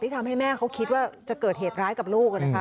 ทำให้แม่เขาคิดว่าจะเกิดเหตุร้ายกับลูกนะคะ